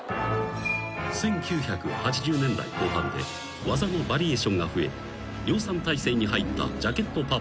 ［１９８０年代後半で技のバリエーションが増え量産体制に入ったジャケットパフォーマンス］